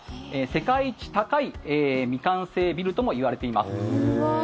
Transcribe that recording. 世界一高い未完成ビルともいわれています。